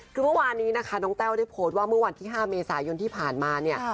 คือเมื่อวานนี้นะคะน้องแต้วได้โพสต์ว่าเมื่อวันที่๕เมษายนที่ผ่านมาเนี่ย